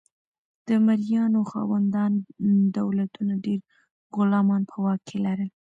د مرئیانو خاوندان دولتونه ډیر غلامان په واک کې لرل.